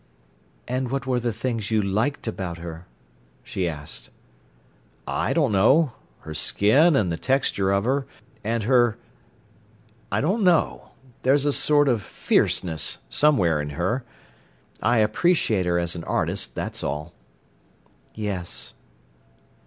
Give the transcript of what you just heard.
"And what were the things you liked about her?" she asked. "I don't know—her skin and the texture of her—and her—I don't know—there's a sort of fierceness somewhere in her. I appreciate her as an artist, that's all." "Yes."